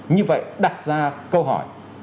như vậy đặt ra câu hỏi